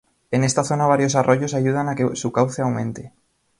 En esta zona varios arroyos ayudan a que su cauce aumente.